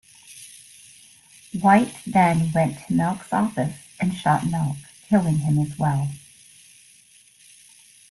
White then went to Milk's office and shot Milk, killing him as well.